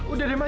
udah deh ma